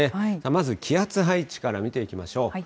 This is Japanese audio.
まず気圧配置から見ていきましょう。